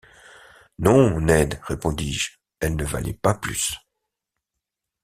Non, Ned, repondis-je, elle ne valait pas plus.